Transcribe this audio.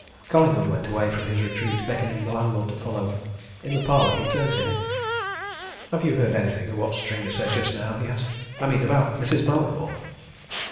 Collingwood went away from his retreat, beckoning the landlord to follow. In the parlour he turned to him. "Have you heard anything of what Stringer said just now?" he asked. "I mean about Mrs. Mallathorpe?"